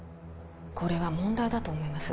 これは問題だと思います